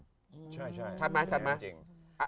ใช่ชัดมั้ยชัดมั้ย